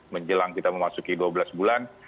menjelang kita memasuki dua belas bulan